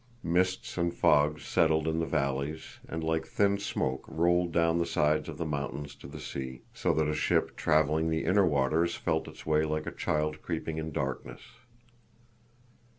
Mists and fogs settled in the valleys, and like thin smoke rolled down the sides of the mountains to the sea, so that a ship traveling the inner waters felt its way like a child creeping in darkness.